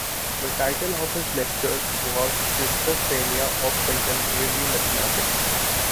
The title of his lectures was Schizophrenia of Contemporary Mathematics.